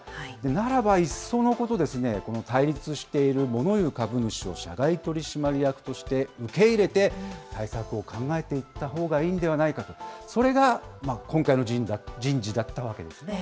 ならばいっそのことですね、この対立しているモノ言う株主を社外取締役として受け入れて、対策を考えていったほうがいいんではないかと、それが今回の人事だったわけですね。